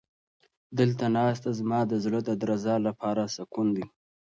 دلته ناسته زما د زړه د درزا لپاره سکون دی.